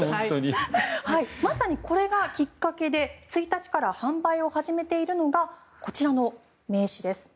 まさにこれがきっかけで１日から販売を始めているのがこちらの名刺です。